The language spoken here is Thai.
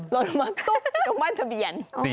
เออลดลงมาตุ๊กตรงบ้านทะเบียน